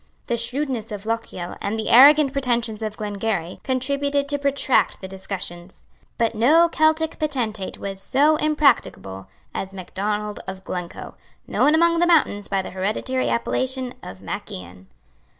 The shrewdness of Lochiel and the arrogant pretensions of Glengarry contributed to protract the discussions. But no Celtic potentate was so impracticable as Macdonald of Glencoe, known among the mountains by the hereditary appellation of Mac Ian.